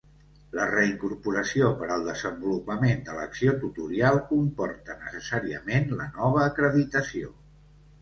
La reincorporació per al desenvolupament de l'acció tutorial comporta necessàriament la nova acreditació.